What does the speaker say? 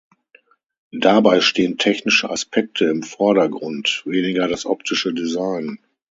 Dabei stehen technische Aspekte im Vordergrund, weniger das optische Design.